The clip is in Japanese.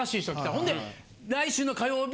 ほんで来週の火曜日